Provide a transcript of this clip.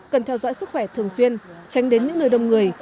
cần theo dõi sức khỏe thường xuyên tránh đến những nơi đông người